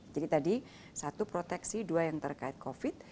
jadi tadi satu proteksi dua yang terkait covid